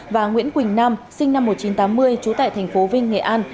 và nguyễn quỳnh nam sinh năm một nghìn chín trăm tám mươi trú tại thành phố vinh nghệ an